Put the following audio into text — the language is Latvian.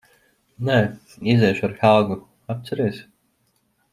Nē. Iziešu ar Helgu, atceries?